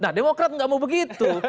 nah demokrat nggak mau begitu